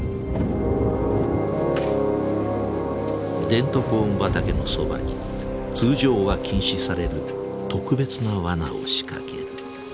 デントコーン畑のそばに通常は禁止される特別なワナを仕掛ける。